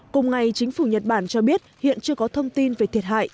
cùng ngày chính phủ nhật bản cho biết hiện chưa có thông tin về thiệt hại